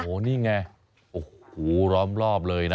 โอ้โหนี่ไงโอ้โหล้อมรอบเลยนะ